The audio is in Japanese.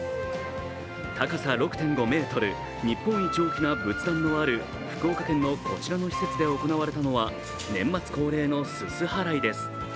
高さ６．５ｍ、日本一大きな仏壇のある福岡県のこちらの施設で行われたのは年末恒例のすす払いです。